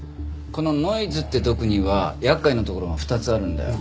このノイズって毒には厄介なところが２つあるんだよ。